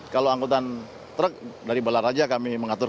kalau angkutan truk dari bala raja kami mengatur